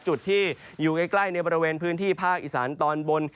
จุดที่อยู่ใกล้ในบริเวณพื้นที่ภาคอีสานตอนบน